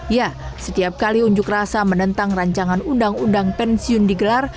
ya setiap kali unjuk rasa menentang rancangan undang undang pensiun digelar